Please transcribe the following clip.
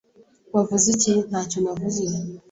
"Wavuze iki?" "Ntacyo navuze."